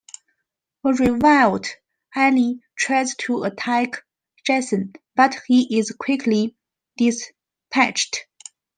A revived Ali tries to attack Jason, but he is quickly dispatched.